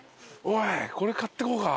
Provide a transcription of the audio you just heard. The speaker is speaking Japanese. おいこれ買ってこうか。